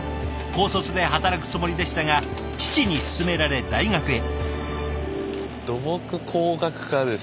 高卒で働くつもりでしたが父に勧められ大学へ。